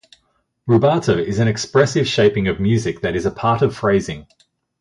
Rubato is an expressive shaping of music that is a part of phrasing.